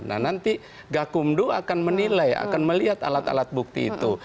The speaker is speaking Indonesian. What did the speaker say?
nah nanti gakumdu akan menilai akan melihat alat alat bukti itu